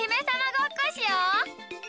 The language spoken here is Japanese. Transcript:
ごっこしよう。